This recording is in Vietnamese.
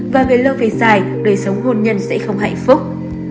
và về lâu về dài đời sống hôn nhân sẽ không hạnh phúc